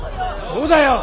そうだよ！